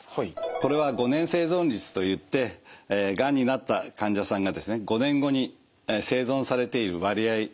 これは５年生存率といってがんになった患者さんがですね５年後に生存されている割合を示しています。